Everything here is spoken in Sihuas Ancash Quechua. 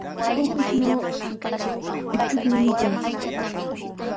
Ukushnaw uchukllami kaa.